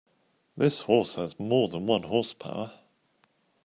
This horse has more than one horse power.